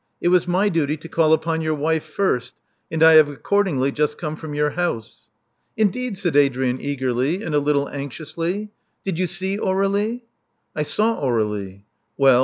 It was my duty to call upon your wife first; and I have accordingly just come from your house." Indeed?" said Adrian eagerly, and a little anxiously. *'Did you see Aur^lie?*' "I saw Aurelie." "Well?